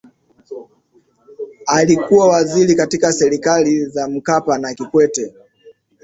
Alikuwa waziri katika serikali za Mkapa na Kikwete